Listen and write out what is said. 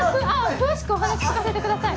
詳しくお話聞かせてください。